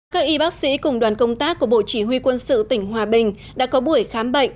các y bác sĩ cùng đoàn công tác của bộ chỉ huy quân sự tỉnh hòa bình đã có buổi khám bệnh